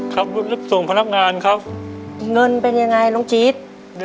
รับส่งพนักงานครับเงินเป็นยังไงน้องจี๊ด